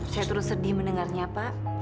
saya terus sedih mendengarnya pak